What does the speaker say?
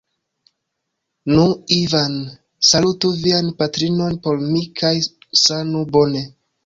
Nu Ivan; salutu vian patrinon por mi kaj sanu bone.